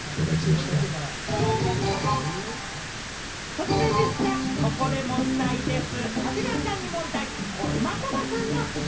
突然ですが、ここで問題でぃす！